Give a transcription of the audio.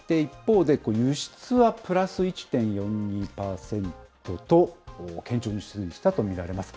そして一方で、輸出はプラス１．４２％と、堅調に推移したと見られます。